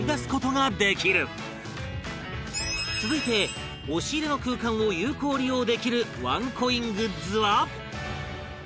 続いて押し入れの空間を有効利用できるワンコイングッズは